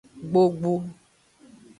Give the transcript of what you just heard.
Gbogbu.